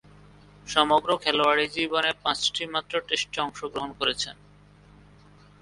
সমগ্র খেলোয়াড়ী জীবনে পাঁচটিমাত্র টেস্টে অংশগ্রহণ করেছেন।